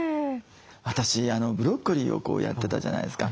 私ブロッコリーをやってたじゃないですか。